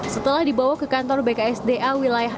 setelah dibawa ke kantor bksda wilayah